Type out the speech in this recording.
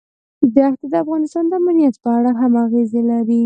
دښتې د افغانستان د امنیت په اړه هم اغېز لري.